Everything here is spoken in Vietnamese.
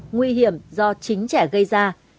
nguy hiểm do chính trẻ gây ra